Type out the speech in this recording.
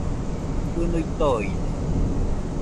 Jɨnui toide